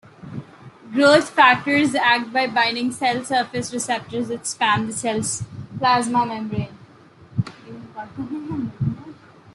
Growth factors act by binding cell surface receptors that span the cell's plasma membrane.